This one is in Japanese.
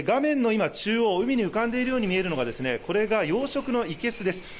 海に浮かんでいるように見えるのが養殖の生けすです。